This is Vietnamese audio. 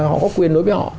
họ có quyền đối với họ